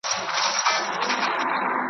د هغې ورځي په تمه سپینوم تیارې د عمر .